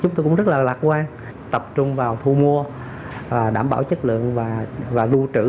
chúng tôi cũng rất lạc quan tập trung vào thu mua đảm bảo chất lượng và đua trữ